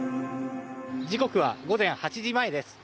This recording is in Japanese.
時刻は午前８時前です。